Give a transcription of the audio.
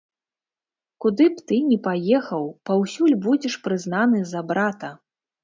Куды б ты ні паехаў, паўсюль будзеш прызнаны за брата.